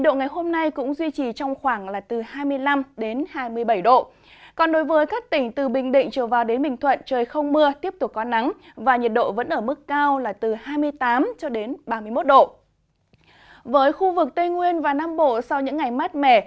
với khu vực tây nguyên và nam bộ sau những ngày mát mẻ